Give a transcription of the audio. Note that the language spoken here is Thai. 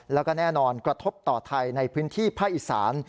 แล้วก็แน่นอนกระทบต่อไทยในพื้นที่ภาคอีสาน